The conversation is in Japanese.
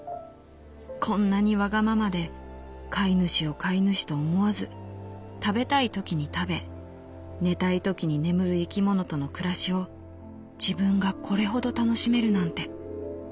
こんなにわがままで飼い主を飼い主と思わず食べたいときに食べ寝たいときに眠る生き物との暮らしを自分がこれほど楽しめるなんて。